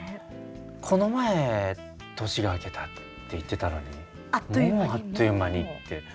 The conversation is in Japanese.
この前年が明けたって言ってたのにもうあっという間にって。